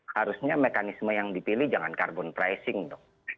harusnya mekanisme yang dipilih jangan carbon pricing dong